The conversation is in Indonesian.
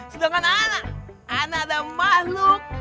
sedangkan anak anak ada makhluk